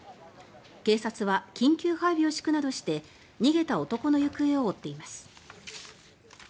警察は緊急配備を敷くなどして逃げた男の行方を追っています。